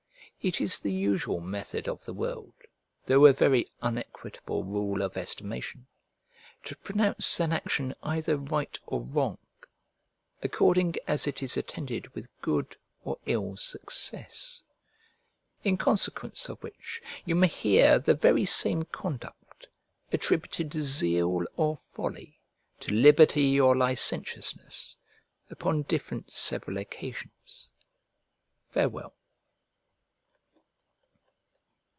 It is the usual method of the world (though a very unequitable rule of estimation) to pronounce an action either right or wrong, according as it is attended with good or ill success; in consequence of which you may hear the very same conduct attributed to zeal or folly, to liberty or licentiousness, upon different several occasions. Farewell.